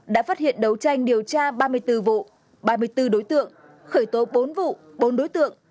đã phát hiện đấu tranh điều tra ba mươi bốn vụ ba mươi bốn đối tượng khởi tố bốn vụ bốn đối tượng